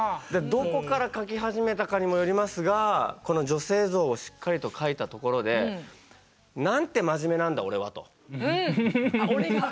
どこから描き始めたかにもよりますがこの女性像をしっかりと描いたところでおい